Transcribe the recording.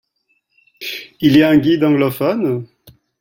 Il y a un guide anglophone ?